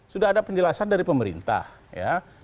sudah ada penjelasan dari pemerintah ya